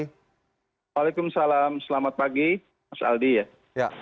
waalaikumsalam selamat pagi mas aldi ya